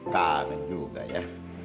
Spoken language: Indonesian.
takut juga ya